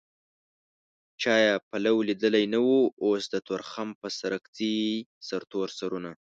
چا يې پلو ليدلی نه و اوس د تورخم په سرک ځي سرتور سرونه